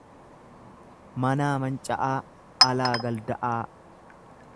Manaa manca'aa alaa galda'aa.